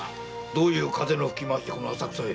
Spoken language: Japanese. どういう風の吹き回しでこの浅草へ？